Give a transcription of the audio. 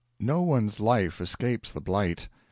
No one's life escapes the blight.